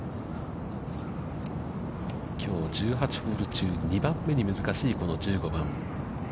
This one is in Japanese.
きょう１８ホール中、２番目に難しいこの１５番。